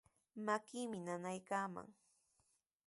Makiimi nanaykaaman.